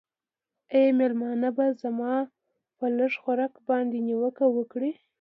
آیا مېلمانه به زما په لږ خوراک باندې نیوکه وکړي؟